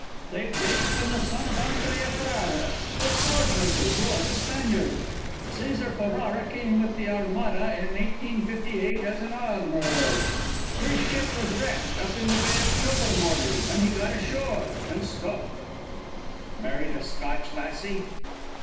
"They date from the son of Andrea Ferrara, the sword maker, who was a Spaniard. Cæsar Ferrara came with the Armada in 1588 as armourer. His ship was wrecked up in the Bay of Tobermory and he got ashore and stopped." "Married a Scotch lassie?"